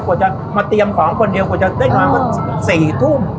กว่าจะมาเตรียมของคนเดียวกว่าจะได้นอนเมื่อ๔ทุ่ม